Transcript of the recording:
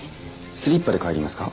スリッパで帰りますか？